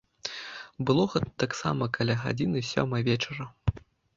Было гэта таксама каля гадзіны сёмай вечара.